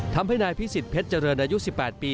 ทำให้นายพิสิทธิเพชรเจริญอายุ๑๘ปี